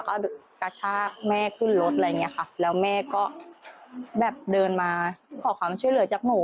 ก็กระชากแม่ขึ้นรถอะไรอย่างเงี้ยค่ะแล้วแม่ก็แบบเดินมาขอความช่วยเหลือจากหนู